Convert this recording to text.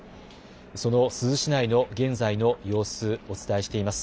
その珠洲市内の現在の様子、お伝えしています。